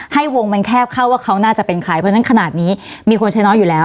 วงมันแคบเข้าว่าเขาน่าจะเป็นใครเพราะฉะนั้นขนาดนี้มีคนใช้น้อยอยู่แล้ว